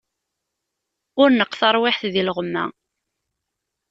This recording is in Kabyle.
Ur neqq tarwiḥt di lɣemma.